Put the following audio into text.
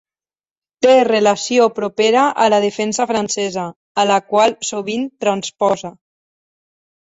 Té relació propera a la defensa francesa, a la qual sovint transposa.